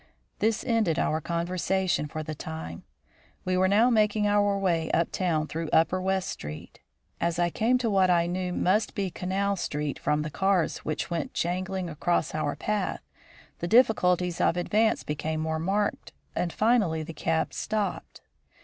This ended our conversation for the time. We were now making our way up town through upper West Street. As I came to what I knew must be Canal Street from the cars that went jingling across our path, the difficulties of advance became more marked, and finally the cab stopped.